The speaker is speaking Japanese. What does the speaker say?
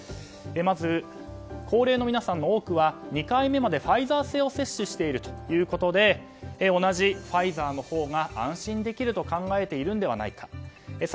まず高齢の皆さんの多くは２回目までファイザー製を接種しているということで同じファイザーのほうが安心できると考えているのではないか。